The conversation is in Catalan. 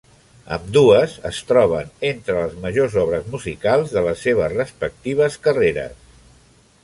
Ambdues es troben entre les majors obres musicals de les seves respectives carreres.